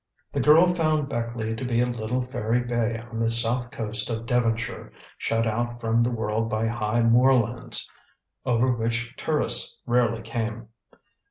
The girl found Beckleigh to be a little fairy bay on the south coast of Devonshire, shut out from the world by high moorlands, over which tourists rarely came.